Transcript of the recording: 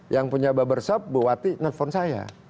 yang punya barbershop bu wati nelfon saya